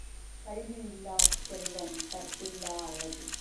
கல்வி இல்லாச் செல்வம் கற்பில்லா அழகு.